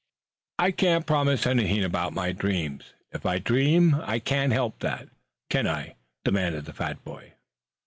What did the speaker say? "I can't promise anything about my dreams. If I dream I can't help that, can I?" demanded the fat boy.